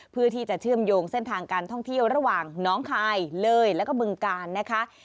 เพื่อที่จะเชื่อมโยงเส้นทางการท่องเที่ยวระหว่างน้องคายเลยแล้วก็บึงกาลนะคะ